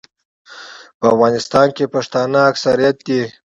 په افغانستان کې پښتانه اکثریت دي.